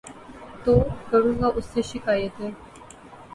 تو کروں گا اُس سے شکائتیں